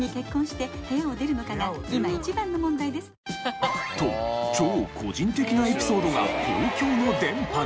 さらに。と超個人的なエピソードが公共の電波に。